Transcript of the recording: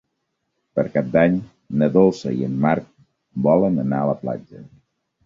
Per Cap d'Any na Dolça i en Marc volen anar a la platja.